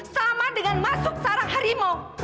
sama dengan masuk sarang harimau